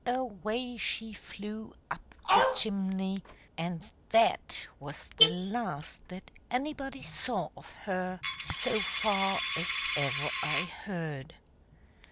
— away she flew up the chimney, and that was the last that anybody saw of her so far as ever I heard.